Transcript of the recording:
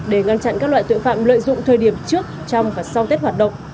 để ngăn chặn các loại tội phạm lợi dụng thời điểm trước trong và sau tết hoạt động